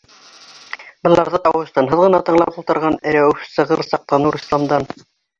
Быларҙы тауыш-тынһыҙ ғына тыңлап ултырған Рәүеф сығыр саҡта Нурисламдан: